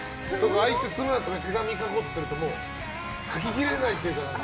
妻とかに手紙書こうとすると書ききれないというか。